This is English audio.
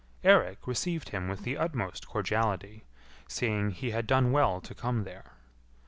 Eirik received him with the utmost cordiality, saying he had done well to come there.